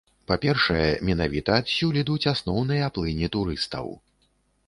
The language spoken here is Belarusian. Па-першае, менавіта адсюль ідуць асноўныя плыні турыстаў.